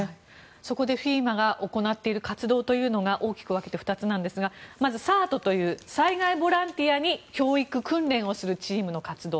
そこでＦＥＭＡが行っている活動が大きく分けて２つなんですがまずＣＥＲＴという災害ボランティアに教育訓練をするチームの活動。